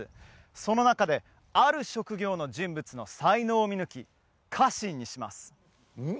その中である職業の人物の才能を見抜き家臣にします